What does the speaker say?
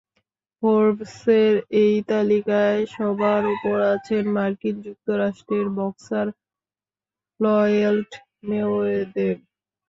ফোর্বসের এই তালিকায় সবার ওপরে আছেন মার্কিন যুক্তরাষ্ট্রের বক্সার ফ্লয়েড মেওয়েদর।